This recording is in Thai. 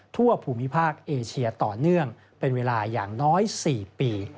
ทั่วภูมิภาคเอเชียต่อเนื่องเป็นเวลาอย่างน้อย๔ปี